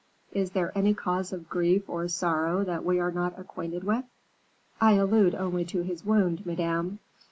Is there any cause of grief or sorrow that we are not acquainted with?" "I allude only to his wound, Madame."